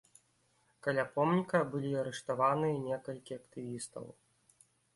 Каля помніка былі арыштаваныя некалькі актывістаў.